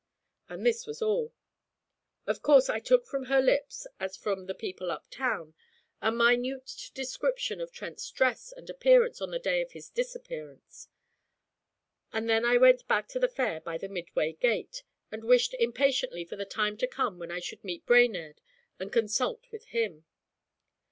And this was all. Of course I took from her lips, as from the people up town, a minute description of Trent's dress and appearance on the day of his disappearance, and then I went back to the Fair by the Midway gate, and wished impatiently for the time to come when I should meet Brainerd and consult with him.